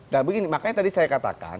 nah begini makanya tadi saya katakan